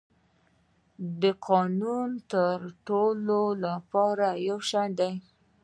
قانون د ټولو لپاره یو شان دی